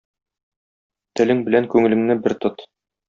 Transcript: Телең белән күңелеңне бер тот.